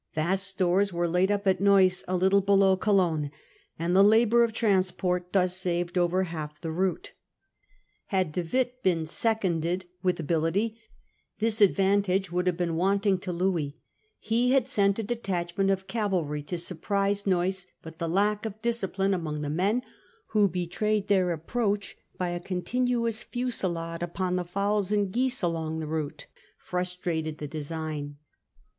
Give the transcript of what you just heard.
Vast stores were laid up at Neuss, a little below Cologne ; and the labour of transport was thus saved over half the route. Had De Witt been seconded with ability, this advan tage would have been wanting to Louis. He had sent a Futile ro detachment of cavalry to surprise Neuss ; but iects of the lack of discipline among the men, who be e Witt. trayed their approach by a continuous fusillade upon the fowls and geese along the route, frustrated the design.